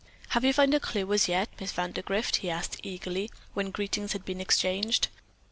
"Have you found a clue as yet, Miss Vandergrift?" he asked eagerly, when greetings had been exchanged.